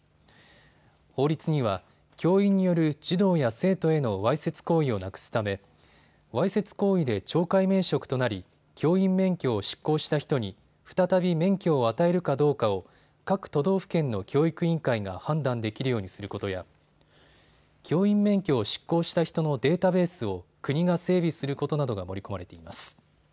法律には教員による児童や生徒へのわいせつ行為をなくすため、わいせつ行為で懲戒免職となり教員免許を失効した人に再び免許を与えるかどうかを各都道府県の教育委員会が判断できるようにすることや教員免許を失効した人のデータベースを国が整備することなどが盛り込まれています。